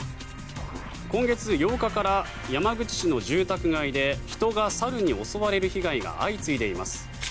今月８日から山口市の住宅街で人が猿に襲われる被害が相次いでいます。